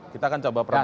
kita akan coba perbaikan